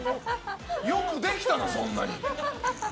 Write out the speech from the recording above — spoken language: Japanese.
よくできたな、そんなに！